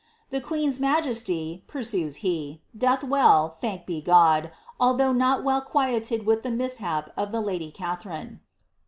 ^^ The queen's majesty," pursues he, ^^ doth velK thanked be God, although not well quieted with the mishap of the lady Katharine.